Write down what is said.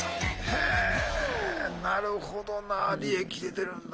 へえなるほどな利益出てるんだ。